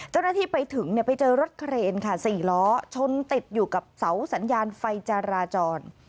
เจ้าหน้าที่ไปถึงไปเจอรถเครนค่ะ๔ล้อชนติดอยู่กับเสาสัญญาณไฟจราจร